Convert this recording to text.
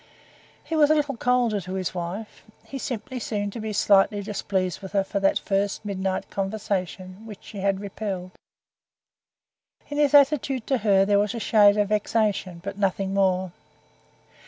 He was a little colder to his wife. He simply seemed to be slightly displeased with her for that first midnight conversation, which she had repelled. In his attitude to her there was a shade of vexation, but nothing more.